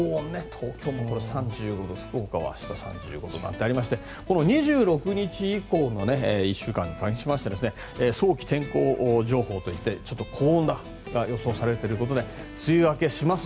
東京は３２度福岡は明日３５度なんかがありまして２６日以降の１週間に関しまして早期天候情報といってちょっと高温が予想されているということで梅雨明けします